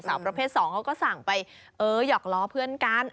ประเภท๒เขาก็สั่งไปหยอกล้อเพื่อนกัน